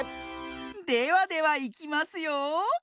ではではいきますよ。